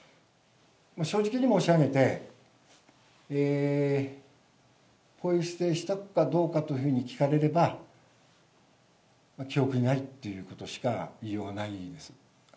正直に申し上げて、ポイ捨てしたかどうかというふうに聞かれれば、記憶にないっていうことしかいいようがないです。